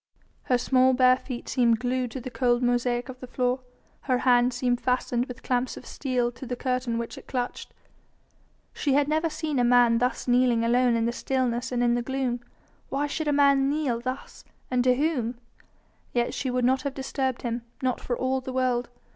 Her small bare feet seemed glued to the cold mosaic of the floor, her hand seemed fastened with clamps of steel to the curtain which it clutched. She had never seen a man thus kneeling alone in the stillness and in the gloom. Why should a man kneel thus? and to whom? Yet she would not have disturbed him, not for all the world.